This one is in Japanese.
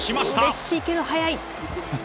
うれしいけど、はやい。